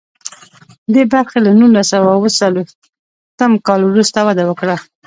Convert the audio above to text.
دې برخې له نولس سوه اوه څلویښتم کال وروسته وده وکړه.